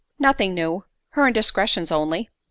"Nothing new—her indiscretions only."